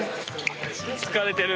「疲れてる。